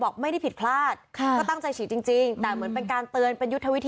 บอกไม่ได้ผิดพลาดค่ะก็ตั้งใจฉีดจริงแต่เหมือนเป็นการเตือนเป็นยุทธวิธี